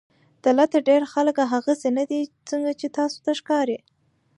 دلته ډېر خلک هغسې نۀ دي څنګه چې تاسو ته ښکاري